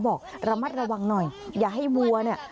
บอกระมัดระวังหน่อยอย่าให้วัวเนี่ย